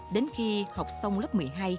đến khi học xong lớp một mươi hai